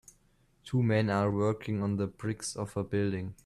Two men are working on the bricks of a building.